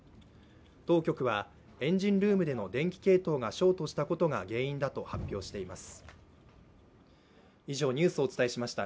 当局はエンジンルームでの電気系統がショートしたことが原因だと発表しています。